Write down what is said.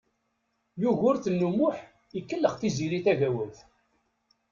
Yugurten U Muḥ ikellex Tiziri Tagawawt.